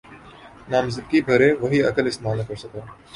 نامزدگی بھرے، وہی عقل استعمال نہ کر سکا۔